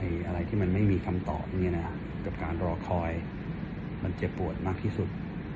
อะไรที่มันไม่มีคำตอบกับการรอคอยมันเจ็บปวดมากที่สุด